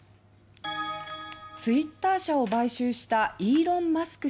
ツイッター社を買収したイーロン・マスク